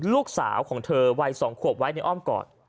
ลูกสาวของเธอวัย๒ขวบไว้ในอ้อมก่อน